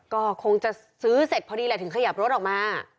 ก็คงจะซื้อเสร็จพอดีแหละถึงขยับรถออกมา